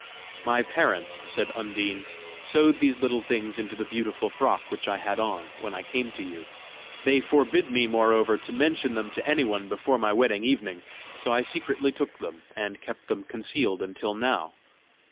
"My parents," said Undine, "sewed these little things into the beautiful frock which I had on, when I came to you. They forbid me, moreover, to mention them to anyone before my wedding evening, so I secretly took them, and kept them concealed until now."